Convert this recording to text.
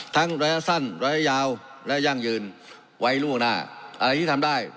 ระยะสั้นระยะยาวและยั่งยืนไว้ล่วงหน้าอะไรที่ทำได้